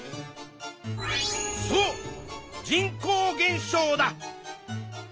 そう人口減少だ！